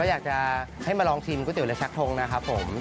อยากจะให้มาลองชิมก๋วเตี๋และชักทงนะครับผม